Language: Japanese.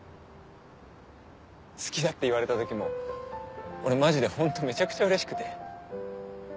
好きだって言われた時も俺マジでホントめちゃくちゃうれしくて。